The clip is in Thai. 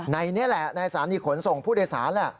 ในนี่แหละนายศาลีขนส่งผู้โดยศาล